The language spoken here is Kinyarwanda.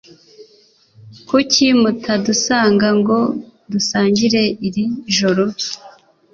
Kuki mutadusanga ngo dusangire iri joro?